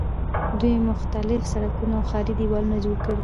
دوی مختلف سړکونه او ښاري دیوالونه جوړ کړل.